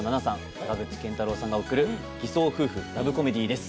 坂口健太郎さんが贈る偽装夫婦ラブコメディーです